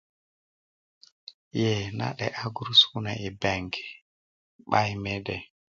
ee na 'de'ya gurusu kune i beki bai mede